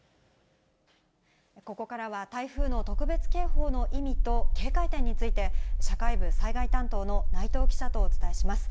ここからは、台風の特別警報の意味と警戒点について、社会部災害担当の内藤記者とお伝えします。